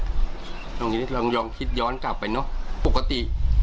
ตรงนี้ลองคิดย้อนกลับไปเนอะปกติ